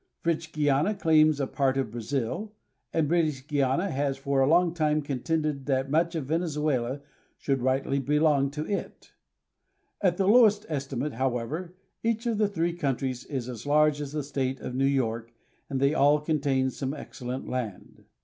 French Guiana claims a part of Brazil, and British Guiana has for a long time contended that much of Venezuela should rightly belong to it. At the lowest estimate, however, each of the three countries is as large as the State of New York, and they all contain some excellent land.